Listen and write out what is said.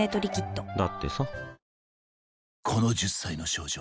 だってさ